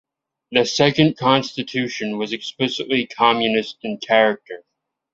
The second constitution was explicitly communist in character.